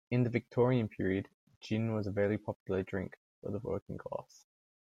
In the Victorian period gin was a very popular drink for the working class